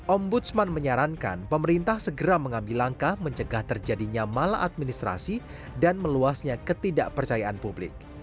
ombudsman menyarankan pemerintah segera mengambil langkah mencegah terjadinya malah administrasi dan meluasnya ketidakpercayaan publik